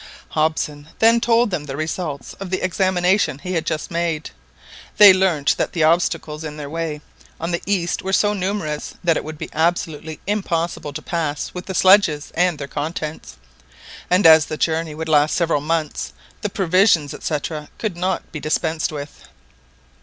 Hobson then told them the results of the examination he had just made. They learnt that the obstacles in their way on the east were so numerous that it would be absolutely impossible to pass with the sledges and their contents, and as the journey would last several months, the provisions, &c., could not be dispensed with.